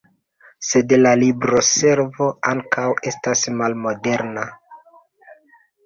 Sed la libroservo ankaŭ estas malmoderna.